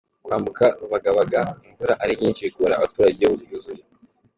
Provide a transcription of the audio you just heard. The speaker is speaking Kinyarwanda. Kwambuka Rubagabaga imvura ari nyinshi bigora abaturage iyo yuzuye.